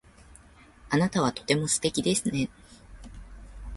あなたはとても素敵ですね。